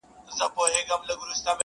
سره له دې چې ستا